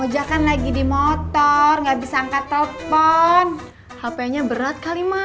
oja kan lagi di motor nggak bisa angkat telepon hp nya berat kali mak